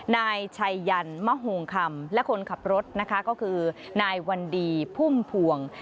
นายชัยยันมะโฮงคำและคนขับรถนะคะก็คือนายวันดีพุ่มพวง